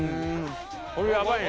これやばいね。